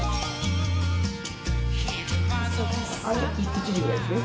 １時ぐらいですね。